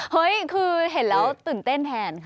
เฮ้ยคือเห็นแล้วตื่นเต้นแทนค่ะ